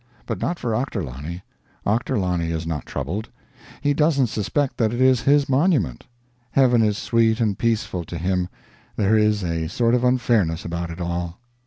But not for Ochterlony. Ochterlony is not troubled. He doesn't suspect that it is his monument. Heaven is sweet and peaceful to him. There is a sort of unfairness about it all.